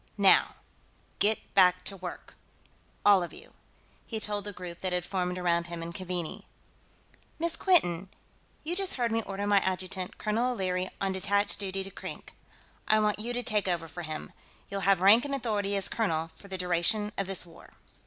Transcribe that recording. "Now, get back to work, all of you," he told the group that had formed around him and Keaveney. "Miss Quinton, you just heard me order my adjutant, Colonel O'Leary, on detached duty to Krink. I want you to take over for him. You'll have rank and authority as colonel for the duration of this war."